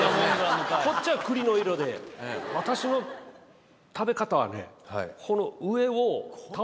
こっちは栗の色で私の食べ方はね。